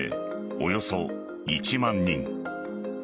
およそ１万人。